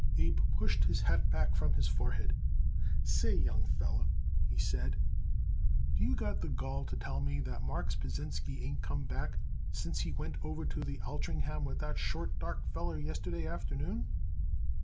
Abe pushed his hat back from his forehead. "Say, young feller," he said, "do you got the gall to tell me that Marks Pasinsky ain't come back since he went over to the Altringham with that short, dark feller yesterday afternoon?"